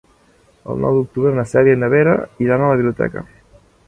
El nou d'octubre na Cèlia i na Vera iran a la biblioteca.